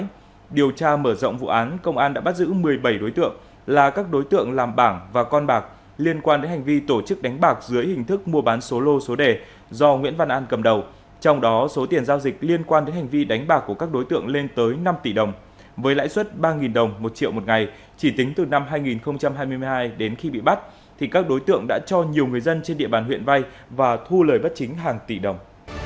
quá trình đấu tranh chuyên án công an huyện hà trung đã phá chuyên án công an huyện hà trung đã bắt giữ một mươi bảy đối tượng là các đối tượng làm bảng và con bạc liên quan đến hành vi tổ chức đánh bạc dưới hình thức mua bán số lô số đề do nguyễn văn an cầm đầu trong đó số tiền giao dịch liên quan đến hành vi đánh bạc của các đối tượng lên tới năm tỷ đồng với lãi suất ba đồng một triệu một ngày chỉ tính từ năm hai nghìn hai mươi hai đến khi bị bắt thì các đối tượng đã cho nhiều người dân trên địa bàn huyện vay và thu lời bắt chính hàng tỷ đồng